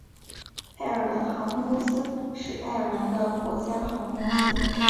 爱尔兰航空公司是爱尔兰的国家航空公司。